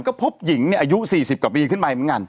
ก็พบหญิงอายุ๔๐กว่าปีขึ้นไปเหมือนกัน